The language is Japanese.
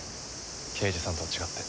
刑事さんとは違って。